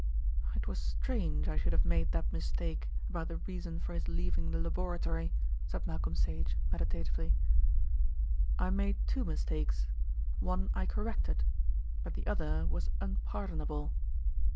"It was strange I should have made that mistake about the reason for his leaving the laboratory," said Malcolm Sage meditatively. "I made two mistakes, one I corrected; but the other was unpardonable."